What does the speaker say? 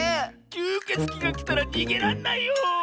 きゅうけつきがきたらにげらんないよ。